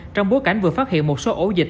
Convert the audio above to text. trong bối cảnh vừa phát hiện một số ổ dịch